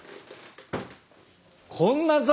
こんな材